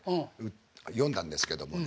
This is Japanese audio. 読んだんですけどもね。